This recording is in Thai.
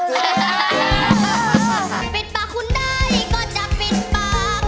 ปิดปากคุณได้ก็จะปิดปาก